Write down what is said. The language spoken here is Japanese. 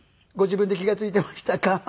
ご自分で気がついてましたか？